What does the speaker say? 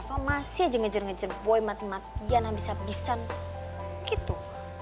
reva masih aja ngejar ngejar boy mati matian abis abisan gitu